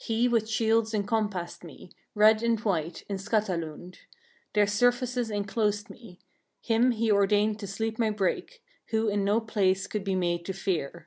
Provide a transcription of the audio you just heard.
9. He with shields encompassed me, red and white, in Skatalund; their surfaces enclosed me; him he ordained my sleep to break, who in no place could be made to fear.